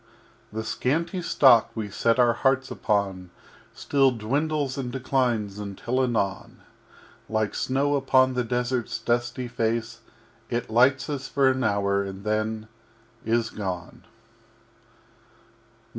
_] VIII The Scanty Stock we set our hearts upon Still dwindles and declines until anon, Like Snow upon the Desert's dusty Face, It lights us for an hour and then is gone.